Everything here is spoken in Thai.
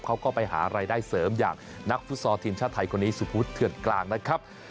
เขาก็ไปหารายได้เสริมอย่างนักฟุตซอลทีมชาติไทยคนนี้สุพุทธเถื่อนกลางนะครับ